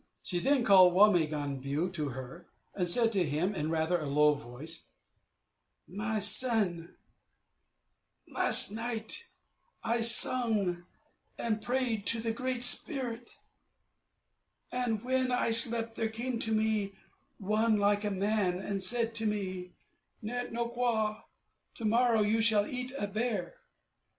She then called Wa me gon a biew to her, and said to him in rather a low voice: "My son, last night I sung and prayed to the Great Spirit, and when I slept there come to me one like a man, and said to me, 'Net no kwa, to morrow you shall eat a bear.